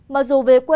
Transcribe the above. mặc dù về quê